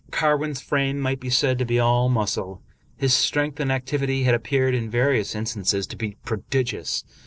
Carwin's frame might be said to be all muscle. His strength and activity had appeared, in vari ous instances, to be prodigious.